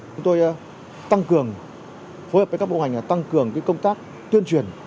chúng tôi tăng cường phối hợp với các bộ hành tăng cường công tác tuyên truyền